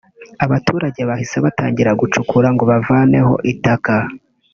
Abaturage bahise batangira gucukura ngo bavaneho itaka